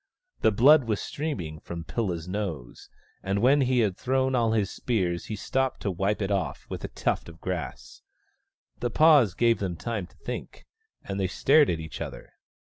The blood was streaming from Pilla's nose, and when he had thrown all his spears he stopped to wipe it off with a tuft of grass. The pause gave them time to think, and they stared at each other.